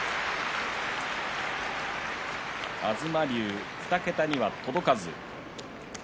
東龍は２桁には届かず。